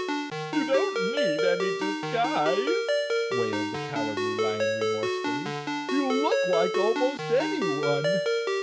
"You don't need any disguise," wailed the Cowardly Lion remorsefully. "You look like almost anyone."